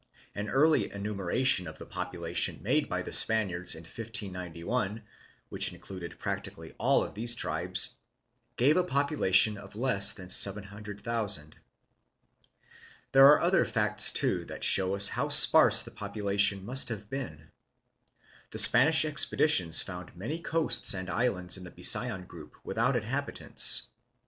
An early enumeration of the population made by the Spaniards in 1591, which included practically all of these tribes, gave a population of less than 700,000. (See Chapter VIII., The Philippines Three Hundred Years Ago.} There are other facts too that show us how sparse the population must have been. The Spanish expeditions found many coasts and islands in the Bisayan group without inhabitants.